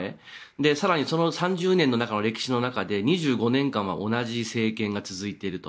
更にその３０年の中の歴史の中で２５年間は同じ政権が続いていると。